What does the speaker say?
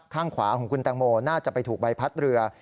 ข้างขวาของคุณแตงโมน่าจะไปถูกใบพัดเรือ